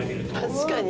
確かに。